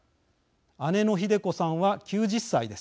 姉のひで子さんは９０歳です。